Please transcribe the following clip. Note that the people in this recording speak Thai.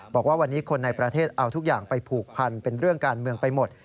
บอกว่าวันนี้คนในประเทศเอาทุกอย่างไปผูกพันเป็นเรื่องการเมืองไปหมด